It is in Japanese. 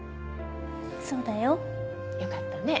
そうだよ。よかったね。